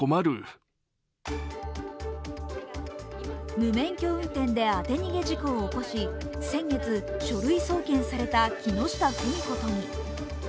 無免許運転で当て逃げ事故を起こし先月、書類送検された木下富美子都議。